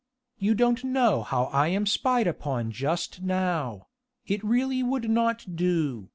you don't know how I am spied upon just now.... It really would not do....